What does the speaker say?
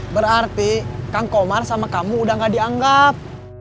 berarti kang komar sama kamu udah gak dianggap